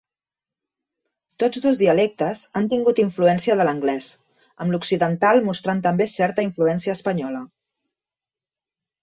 Tots dos dialectes han tingut influència de l'anglès, amb l'occidental mostrant també certa influència espanyola.